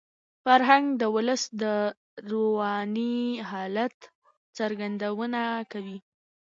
فرهنګ د ولس د رواني حالت څرګندونه کوي.